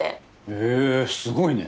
へえすごいね。